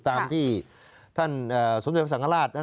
ตามที่ท่านสมเด็จพระสังฆราช